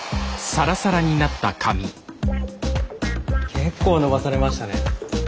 結構伸ばされましたね。